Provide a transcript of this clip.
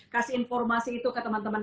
kasih informasi itu ke teman teman